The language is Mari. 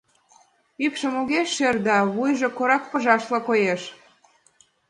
Ӱпшым огеш шер да вуйжо корак пыжашла коеш.